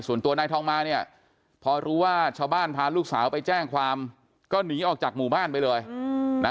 ส่วนตัวนายทองมาเนี่ยพอรู้ว่าชาวบ้านพาลูกสาวไปแจ้งความก็หนีออกจากหมู่บ้านไปเลยนะ